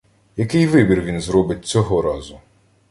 Який вибір він зробить цього разу?